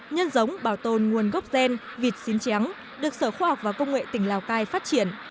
nhân giống bảo tồn nguồn gốc gen vịt xín chéng được sở khoa học và công nghệ tỉnh lào cai phát triển